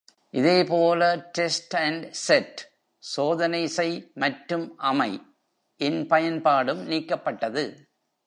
இதே போல, டெஸ்ட்-அண்ட்-செட் (சோதனை செய் மற்றும் அமை)-இன் பயன்பாடும் நீக்கப்பட்டது.